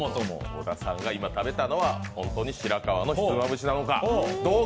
小田さんが今食べたのは本当にしら河のひつまぶしなのか。